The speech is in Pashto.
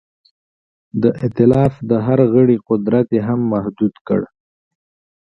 د ایتلاف د هر غړي قدرت یې هم محدود کړ.